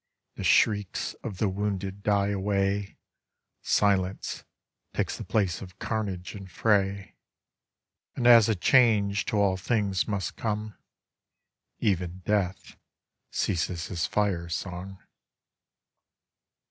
The shrieks of the wounded die away, Silence takes the place of carr.age and fray, And as a change to all things must come Sven death ceases his fire song.